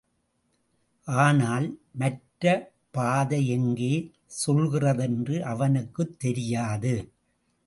ஆனால், மற்றபாதை எங்கே செல்கிறதென்று அவனுக்குத் தெரியாது.